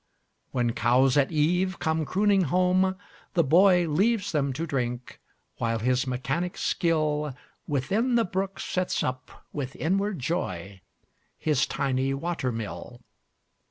When cows at eve come crooning home, the boyLeaves them to drink, while his mechanic skillWithin the brook sets up, with inward joy, His tiny water mill.